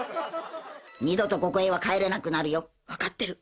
二度とここへは帰れなくなるよ。分かってる。